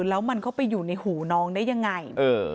แล้วมันก็ไปอยู่ในหูน้องได้ยังไง